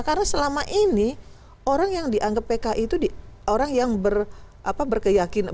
karena selama ini orang yang dianggap pki itu orang yang berkeyakinan